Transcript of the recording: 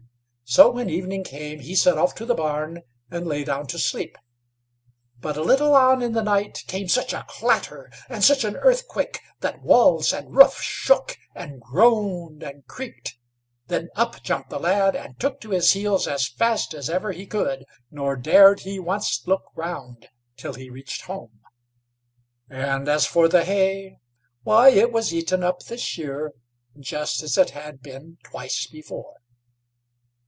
So, when evening came, he set off to the barn, and lay down to sleep; but a little on in the night came such a clatter, and such an earthquake, that walls and roof shook, and groaned, and creaked; then up jumped the lad, and took to his heels as fast as ever he could; nor dared he once look round till he reached home; and as for the hay, why it was eaten up this year just as it had been twice before.